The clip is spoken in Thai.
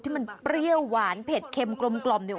ที่มันเปรี้ยวหวานเผ็ดเค็มกลมเนี่ย